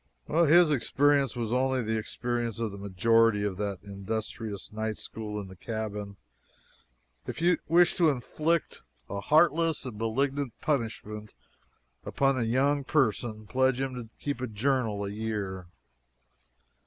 His experience was only the experience of the majority of that industrious night school in the cabin. If you wish to inflict a heartless and malignant punishment upon a young person, pledge him to keep a journal a year.